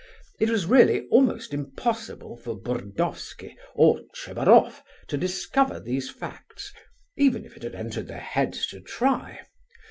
It was really almost impossible for Burdovsky or Tchebaroff to discover these facts, even if it had entered their heads to try.